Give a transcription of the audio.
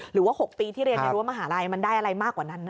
หรือว่า๖ปีที่เรียนในรั้วมหาลัยมันได้อะไรมากกว่านั้นนะ